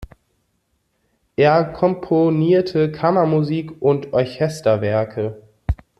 Er komponierte Kammermusik und Orchesterwerke.